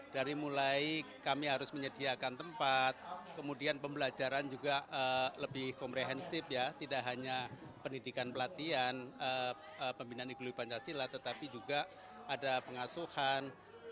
baris baris yang dilaksanakan oleh teman teman dari karnisun